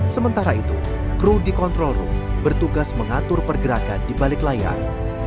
sementara itu kru di control room bertugas mengatur pergerakan di balik layar